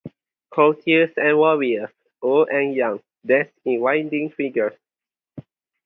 Courtiers and warriors, old and young, danced in winding figures.